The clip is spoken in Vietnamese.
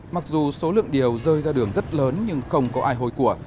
mặc dù số lượng điều rơi ra đường rất lớn nhưng không có ai hồi của